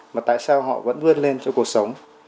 mà tại sao họ vẫn vươn lên cho cuộc sống